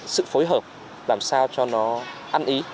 sự phối hợp làm sao cho nó ăn ý